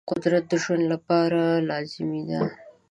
قدرت د ژوند لپاره لازمي دی.